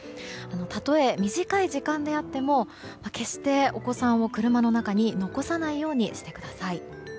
たとえ、短い時間であっても決してお子さんを車の中に残さないようにしてください。